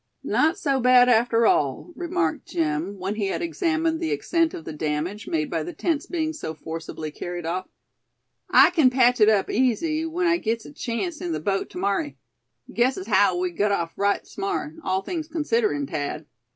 "Not so bad after all," remarked Jim, when he had examined the extent of the damage made by the tent's being so forcibly carried off. "I kin patch it up easy, when I gits a chance in the boat, to morry. Guess as haow we gut off right smart, all things considerin', Thad."